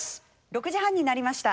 ６時半になりました。